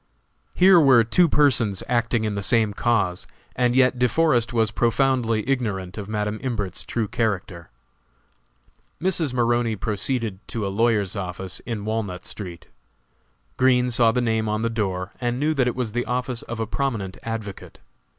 Here were two persons acting in the same cause, and yet De Forest was profoundly ignorant of Madam Imbert's true character. Mrs. Maroney proceeded to a lawyer's office in Walnut street. Green saw the name on the door, and knew that it was the office of a prominent advocate.